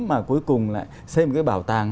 mà cuối cùng lại xây một cái bảo tàng